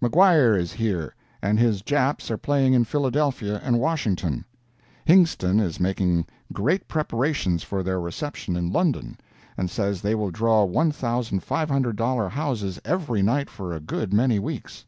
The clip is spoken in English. Maguire is here, and his Japs are playing in Philadelphia and Washington. Hingston is making great preparations for their reception in London, and says they will draw $1,500 houses every night for a good many weeks.